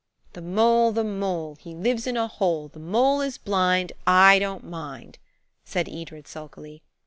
"'The mole, the mole, He lives in a hole. The mole is blind; I don't mind,'" said Edred sulkily.